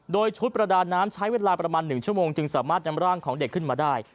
โดยชุดประดาน้ำใช้เวลาประมาณ๑ชั่วโมงจึงสามารถนำร่างของเด็กขึ้นมาได้